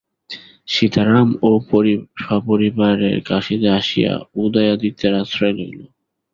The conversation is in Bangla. সীতারামও সপরিবারে কাশীতে আসিয়া উদয়াদিত্যের আশ্রয় লইল।